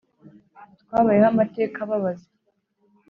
twabayeho amateka ababaza,